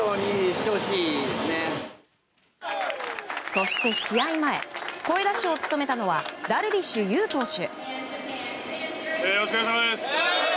そして試合前、声出しを務めたのはダルビッシュ有投手。